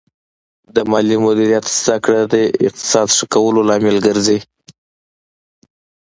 د مالي مدیریت زده کړه د اقتصاد ښه کولو لامل ګرځي.